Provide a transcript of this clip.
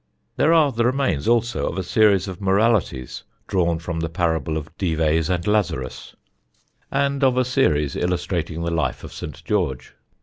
There are the remains also of a series of Moralities drawn from the parable of Dives and Lazarus, and of a series illustrating the life of St. George.